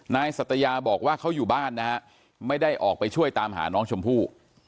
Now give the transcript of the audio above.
สัตยาบอกว่าเขาอยู่บ้านนะฮะไม่ได้ออกไปช่วยตามหาน้องชมพู่